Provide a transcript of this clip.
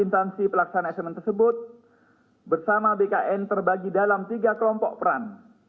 instansi pelaksanaan asesmen tersebut bersama bkn terbagi dalam tiga kelompok peran